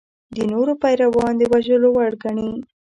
د نورو پیروان د وژلو وړ ګڼي.